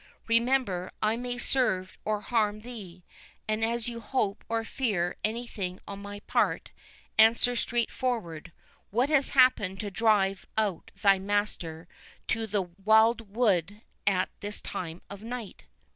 Remember, I may serve or harm thee; and as you hope or fear any thing on my part, answer straight forward—What has happened to drive out thy master to the wild wood at this time of night?"